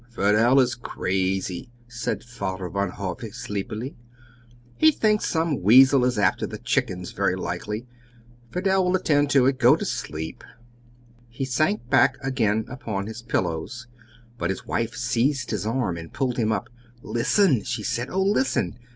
"Fidel is crazy," said Father Van Hove sleepily. "He thinks some weasel is after the chickens very likely. Fidel will attend to it. Go to sleep." He sank back again upon his pillows, but his wife seized his arm and pulled him up. "Listen!" she said. "Oh, listen!